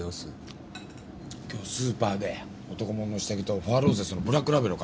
今日スーパーで男物の下着とフォア・ローゼスのブラックラベルを買った。